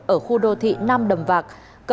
ở khu đô thị năm đầm vạc